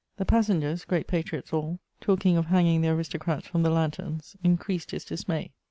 The passengers, great patriots all, talking of hanging the aristocrats from the lanterns, increased his dismay.